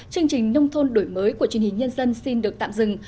chương trình nông thôn đổi mới của truyền hình nhân dân xin được tạm dừng